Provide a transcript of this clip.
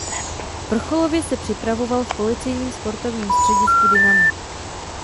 Vrcholově se připravoval v policejním sportovním středisku Dinamo.